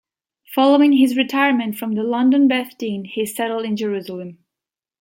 Following his retirement from the London Beth Din, he settled in Jerusalem.